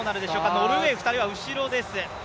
ノルウェー２人は後ろですね。